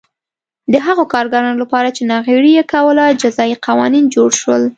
د هغو کارګرانو لپاره چې ناغېړي یې کوله جزايي قوانین جوړ شول